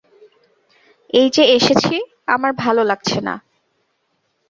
এই যে এসেছি, আমার ভালো লাগছে না!